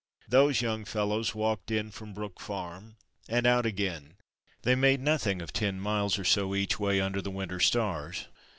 Those young fellows walked in from Brook Farm and out again. They made nothing of ten miles or so each way under the winter stars.